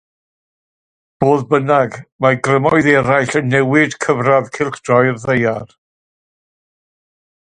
Fodd bynnag, mae grymoedd eraill yn newid cyfradd gylchdroi'r ddaear.